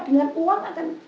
dengan uang akan